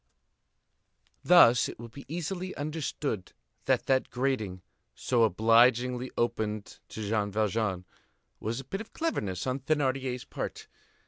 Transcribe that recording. Thus it will be easily understood that that grating, so obligingly opened to Jean Valjean, was a bit of cleverness on Thénardier's part.